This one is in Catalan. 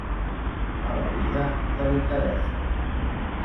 Maleïda delicadesa.